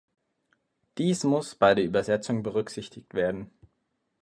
Dies muss bei der Übersetzung berücksichtigt werden.